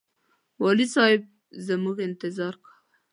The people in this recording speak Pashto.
والي صاحب زموږ انتظار کاوه.